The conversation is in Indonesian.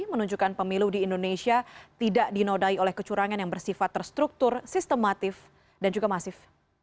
menunjukkan pemilu di indonesia tidak dinodai oleh kecurangan yang bersifat terstruktur sistematif dan juga masif